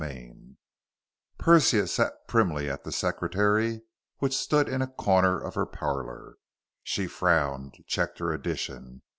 XI Persia sat primly at the secretary which stood in a corner of her parlor. She frowned, checked her addition.